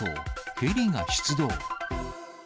ヘリが出動。